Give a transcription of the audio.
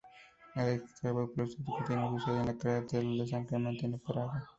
El exarcado apostólico tiene su sede en la Catedral de San Clemente en Praga.